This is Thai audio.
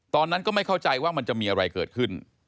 ตอนนั้นก็ไม่เข้าใจว่ามันจะมีอะไรเกิดขึ้น